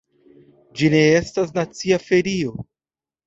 Ĝi ne estas nacia ferio.